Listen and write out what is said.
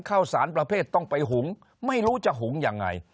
ข้าวสารประเภทต้องไปหุงไม่รู้จะหุงยังไง